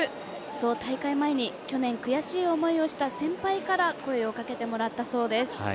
そう大会前に去年悔しい思いをした先輩から声をかけてもらったそうです。